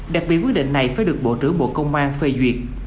đặc biệt quyết định này phải được bộ trưởng bộ công an phê duyệt